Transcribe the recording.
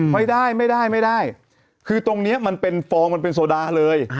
ไม่ได้ไม่ได้คือตรงนี้มันเป็นฟองมันเป็นโซดาเลย